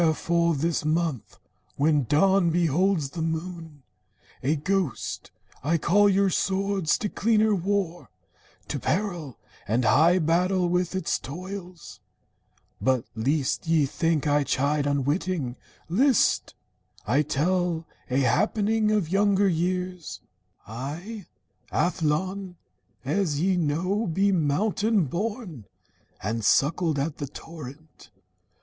Wherefore, this month, when dawn beholds the moon A ghost, I call your swords to cleaner war, To peril, and high battle with its toils. But lest ye think I chide unwitting, list ! I tell a happening of younger years. ' 3* THE FOREST MOTHER "I, Athlon, as ye know, be mountain born, And suckled at the torrent.